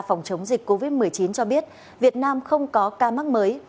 phòng chống dịch covid một mươi chín cho biết việt nam không có ca mắc mới